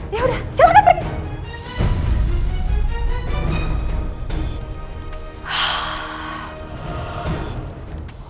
yaudah silahkan pergi